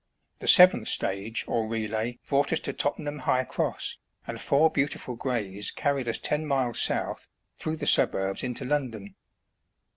The seventh stage or relay brought us to Tottenham High Cross, and four beautiful grays carried us ten miles south, through the suburbs into London.